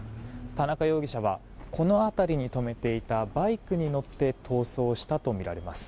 田中容疑者は、この辺りに止めていたバイクに乗って逃走したとみられます。